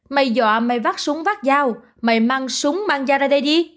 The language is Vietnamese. mày dọa mày vắt súng vắt dao mày mang súng mang dao ra đây đi